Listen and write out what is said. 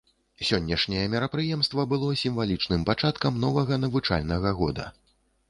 Сённяшняе мерапрыемства было сімвалічным пачаткам новага навучальнага года.